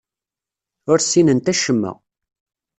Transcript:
Ur ssinent acemma.